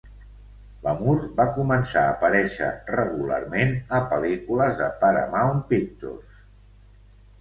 Lamour va començar a aparèixer regularment a pel·lícules de Paramount Pictures.